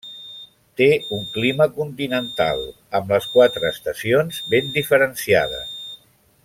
Té un clima continental, amb les quatre estacions ben diferenciades.